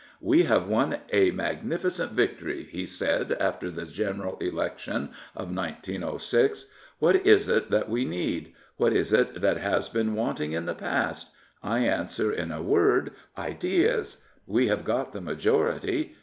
'' We have won a magnificent victory," he said, after the General Election of 1906. What is it that we need? What is it that has been wanting in the past? I answer in a word — ideas I We have got the majority.